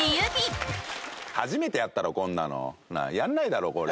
初めてやったろこんなの。やんないだろこれ。